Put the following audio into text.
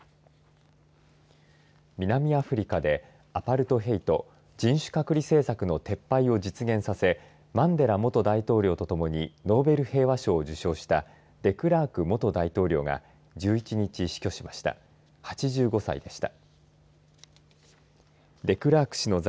南アフリカでアパルトヘイト人種隔離政策の撤廃を実現させマンデラ元大統領とともにノーベル平和賞を受賞したデクラーク元大統領が１１日、死去しました。